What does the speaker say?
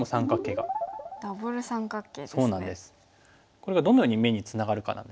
これがどのように眼につながるかなんですけども。